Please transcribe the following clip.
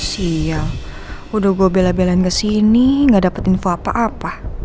sial udah gue bela belan kesini nggak dapet info apa apa